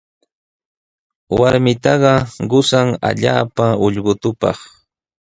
Warmitaqa qusan allaapa ullqutupaq.